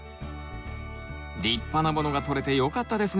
立派なものがとれてよかったですね